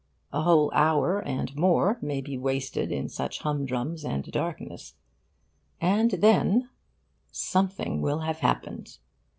A whole hour and more may be wasted in such humdrum and darkness. And then something will have happened.